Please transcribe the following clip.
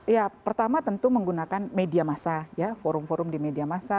ya pertama tentu menggunakan media massa ya forum forum di media masa